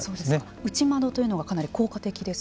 内窓というのがかなり効果的ですか。